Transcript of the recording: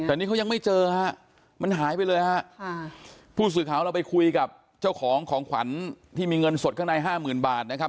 แต่นี่เขายังไม่เจอฮะมันหายไปเลยฮะค่ะผู้สื่อข่าวเราไปคุยกับเจ้าของของขวัญที่มีเงินสดข้างในห้าหมื่นบาทนะครับ